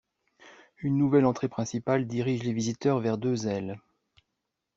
Une nouvelle entrée principale dirige les visiteurs vers deux ailes.